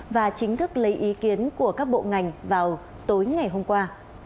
và chính thức lấy ý kiến của các bộ ngành vào tối ngày hôm qua